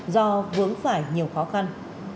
do vướng phải nhiều khó khăn